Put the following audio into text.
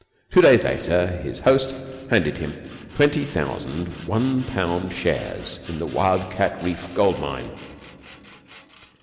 Two days later his host handed him twenty thousand one pound shares in the Wildcat Reef Gold mine.